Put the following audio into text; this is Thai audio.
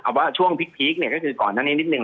เอาว่าช่วงพีคเนี่ยก็คือก่อนหน้านี้นิดนึ